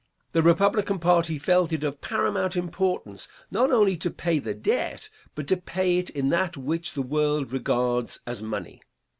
The Republican party felt it of paramount importance not only to pay the debt, but to pay it in that which the world regards as money.